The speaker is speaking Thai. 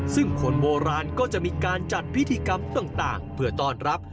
ซึ่งคนโบราณก็จะมีการจัดพิธีกรรมต่างเพื่อต้อนรับ